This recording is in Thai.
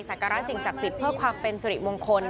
การะสิ่งศักดิ์สิทธิ์เพื่อความเป็นสุริมงคล